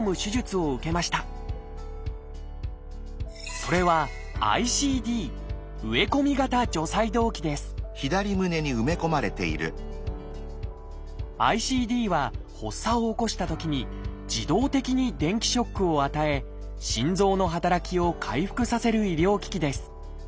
それは「ＩＣＤ」は発作を起こしたときに自動的に電気ショックを与え心臓の働きを回復させる医療機器です。